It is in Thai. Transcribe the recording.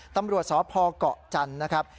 ตำรวจสพเกาะจันทร์นะครับ